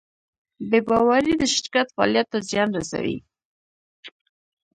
بېباورۍ د شرکت فعالیت ته زیان رسوي.